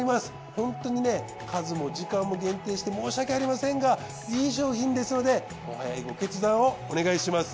本当に数も時間も限定して申し訳ありませんがいい商品ですのでお早いご決断をお願いします。